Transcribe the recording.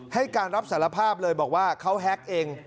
ให้การรับสารภาพเลยบอกว่าเขาแฮ็กเอง